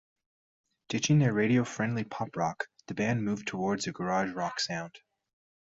Ditching their radio-friendly pop rock, the band moved towards a garage rock sound.